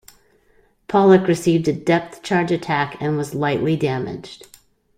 "Pollack" received a depth charge attack and was lightly damaged.